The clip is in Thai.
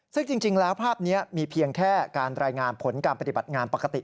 ซึ่งจริงแล้วภาพนี้มีเพียงแค่การรายงานผลการปฏิบัติงานปกติ